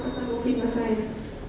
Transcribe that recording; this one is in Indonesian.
petanggung fitnah saya